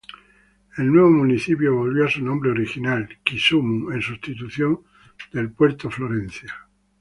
El nuevo municipio volvió a su nombre original, Kisumu, en sustitución del Puerto Florencia.